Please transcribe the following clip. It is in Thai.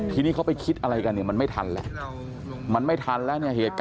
ทีนี้เขาไปคิดอะไรกันเนี่ยมันไม่ทันแล้วมันไม่ทันแล้วเนี่ยเหตุการณ์